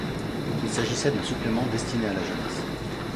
Il s'agissait d'un supplément destiné à la jeunesse.